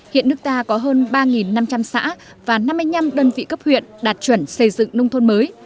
hiện nước ta có hơn ba năm trăm linh xã và năm mươi năm đơn vị cấp huyện đạt chuẩn xây dựng nông thôn mới